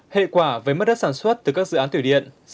hệ quả với mất đất sản xuất từ các dự án thủy điện